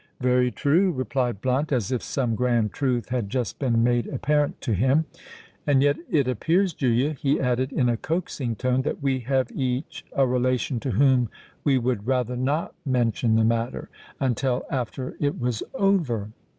"Very true," replied Blunt, as if some grand truth had just been made apparent to him. "And yet it appears, Julia," he added, in a coaxing tone, "that we have each a relation to whom we would rather not mention the matter—until after it was over."